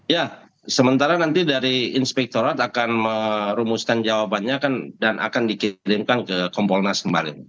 ya sementara nanti dari inspektorat akan merumuskan jawabannya dan akan dikirimkan ke kompolnas kemarin